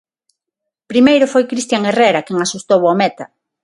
Primeiro foi Cristian Herrera quen asustou ao meta.